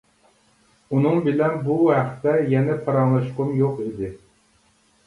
ئۇنىڭ بىلەن بۇ ھەقتە يەنە پاراڭلاشقۇم يوق ئىدى.